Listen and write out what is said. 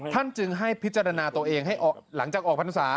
ท่านจึงให้พิจารณาตัวเองหลังจากออกภัณฑษา